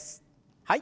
はい。